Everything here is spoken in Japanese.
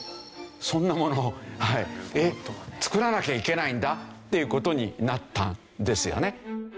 そんなもの作らなきゃいけないんだっていう事になったんですよね。